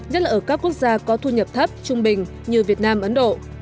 nhất là ở các quốc gia có thu nhập thấp trung bình như việt nam ấn độ